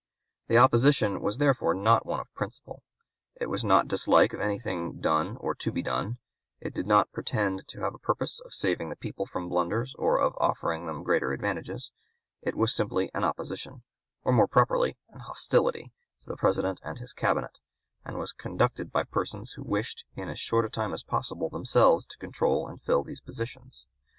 The opposition was therefore not one of principle; it was not dislike of anything done or to be done; it did not pretend to have a purpose of saving the people from blunders or of offering them greater advantages. It was simply an opposition, or more properly an hostility, to the President and his Cabinet, and was conducted by persons who wished in as short a time as possible themselves to control and fill those positions.